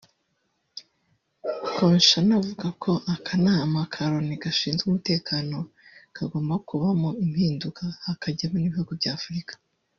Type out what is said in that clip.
Kouchner avuga ko Akanama ka Loni gashinzwe umutekano kagomba kubamo impinduka hakajyamo n’ibihugu by’Afurika